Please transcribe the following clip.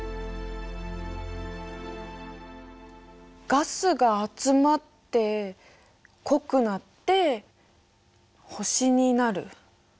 ガスが集まって濃くなって星になる。